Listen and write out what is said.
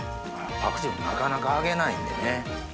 パクチーなかなか揚げないんでね。